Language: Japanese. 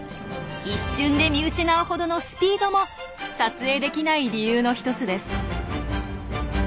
一瞬で見失うほどのスピードも撮影できない理由の一つです。